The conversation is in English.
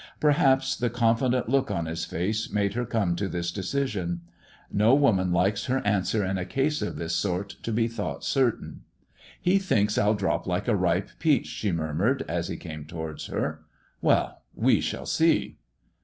Perhaps HISS JONATHAN 189 le confident look on his face made her come to thin Misioc No woman likea her answer in a caae of this >rt to be thought certain. "He thinks I'll drop like a ripe pea«h," she murmured, 1 he came towards her. " Well, we shall see."